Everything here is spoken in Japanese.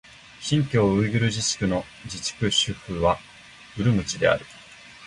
新疆ウイグル自治区の自治区首府はウルムチである